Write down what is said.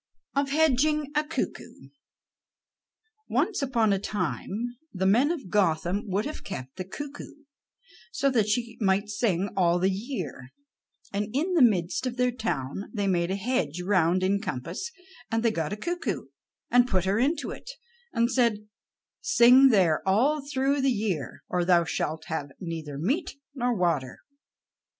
OF HEDGING A CUCKOO Once upon a time the men of Gotham would have kept the cuckoo so that she might sing all the year, and in the midst of their town they made a hedge round in compass, and they got a cuckoo, and put her into it, and said: "Sing there all through the year, or thou shalt have neither meat nor water."